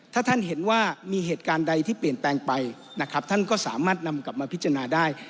ถ้าท่านเห็นว่ามีเหตุการณ์ใดที่เปลี่ยนแปลงไปนะครับท่านก็สามารถนำกลับมาพิจารณาได้